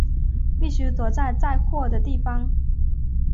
必须躲在载货的地方